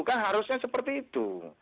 kan harusnya seperti itu